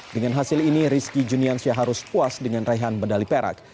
dengan hasil ini rizky juniansyah harus puas dengan raihan medali perak